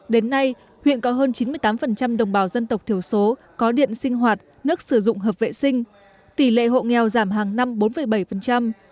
đến nay huyện có hơn chín mươi tám đồng bào dân tộc thiểu số có điện sinh hoạt nước sử dụng hợp vệ sinh tỷ lệ hộ nghèo giảm hàng năm bốn bảy